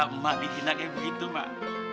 emak dikidaknya begitu mak